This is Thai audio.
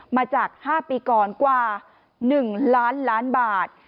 มาจาก๕ปีก่อนกว่า๑ล้านล้านบาท